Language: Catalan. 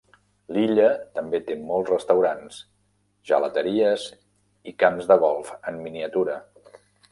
L'illa també té molts restaurants, gelateries i camps de golf en miniatura.